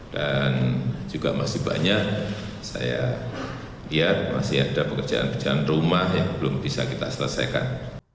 dan juga masih banyak saya lihat masih ada pekerjaan pekerjaan rumah yang belum bisa kita selesaikan